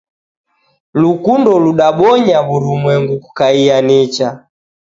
Lukundo ludabonya w'urumwegu kukaia nicha.